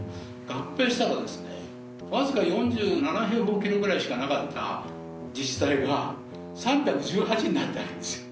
合併したらですねわずか４７平方キロぐらいしかなかった自治体が３１８になったんですよ